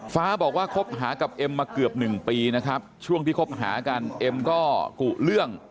ฟ้าบอกว่าคบหากับเอ็มมาเกือบ๑ปีนะครับช่วงที่คบหากันเอ็มก็กุเรื่อง